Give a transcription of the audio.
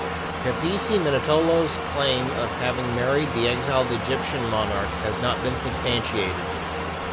Capece Minutolo's claim of having married the exiled Egyptian monarch has not been substantiated.